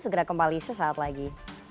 segera kembali sesaat lagi